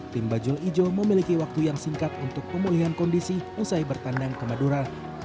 tim bajul ijo memiliki waktu yang singkat untuk pemulihan kondisi usai bertandang ke madura